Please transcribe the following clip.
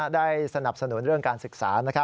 ได้สนับสนุนเรื่องการศึกษา